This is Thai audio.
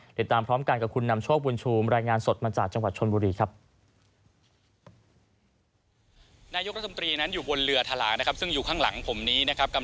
เดี๋ยวตามพร้อมกันกับคุณนำโชคบุญชูม